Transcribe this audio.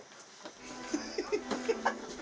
dan ini sayur labu siam